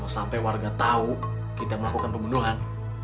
sampai warga tahu kita melakukan pembunuhan